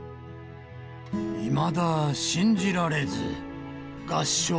いまだ信じられず、合掌。